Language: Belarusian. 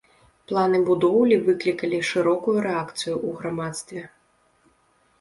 Планы будоўлі выклікалі шырокую рэакцыю ў грамадстве.